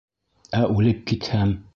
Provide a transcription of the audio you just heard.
Ә үлеп китһәм...